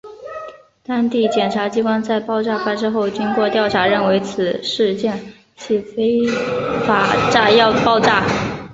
当地检察机关在爆炸发生后经过调查认为此事件系非法炸药爆炸。